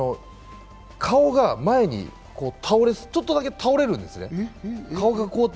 顔が前にちょっとだけ倒れるんですね。